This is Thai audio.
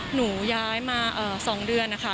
หนูย้ายมา๒เดือนนะคะ